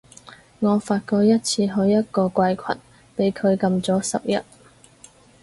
我發過一次去一個怪群，畀佢禁咗十日